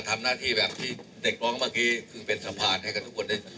ทำหน้าที่แบบที่เด็กร้องเมื่อกี้คือเป็นสะพานให้กับทุกคนได้